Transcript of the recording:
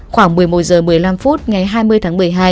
khoảng một mươi một h một mươi năm phút ngày hai mươi tháng một mươi hai